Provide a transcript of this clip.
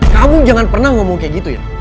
kamu jangan pernah ngomong kayak gitu ya